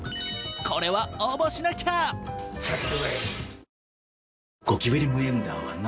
これは応募しなきゃ！